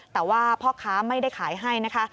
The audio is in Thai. แต่ว่าพ่อค้าไม่ได้ขายให้นะคะ